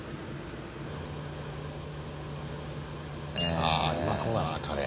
あうまそうだなカレー。